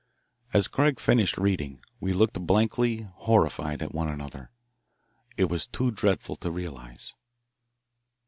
As Craig finished reading, we looked blankly, horrified, at one another. It was too dreadful to realise.